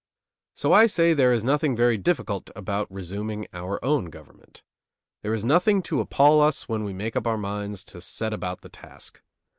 So I say, there is nothing very difficult about resuming our own government. There is nothing to appall us when we make up our minds to set about the task.